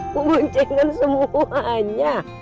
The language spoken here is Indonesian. aku boncengin semuanya